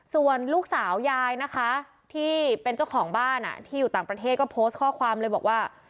ส่วนลูกสาวยายนะคะที่เป็นเจ้าของบ้านที่อยู่ต่างประเทศก็โพสต์ข้อความเลยบอกว่า